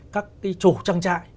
các cái chủ trang trại